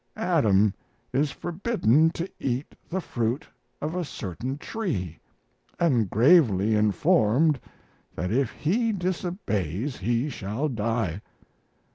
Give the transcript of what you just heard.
Adam is forbidden to eat the fruit of a certain tree, and gravely informed that if he disobeys he shall die.